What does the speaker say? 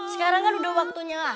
sekarang kan udah waktunya